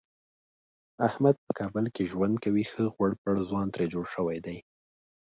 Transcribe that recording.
احمد په کابل کې ژوند کوي ښه غوړپېړ ځوان ترې جوړ شوی دی.